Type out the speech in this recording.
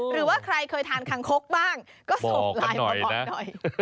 หรือว่าใครเคยทานคังคกบ้างก็ส่งไลน์มาบอกหน่อย